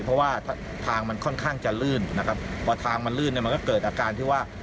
เพราะว่าทางมันค่อนข้างจะลื่นนะครับพอทางมันลื่นเนี่ยมันก็เกิดอาการที่ว่า